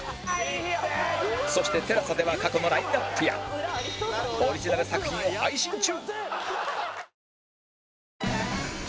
そして ＴＥＬＡＳＡ では過去のラインアップやオリジナル作品を配信中